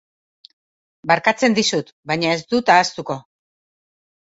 Barkatzen dizut baina ez dut ahaztuko.